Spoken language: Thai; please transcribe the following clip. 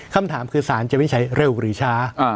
คำถามคือสารจะวิจัยเร็วหรือช้า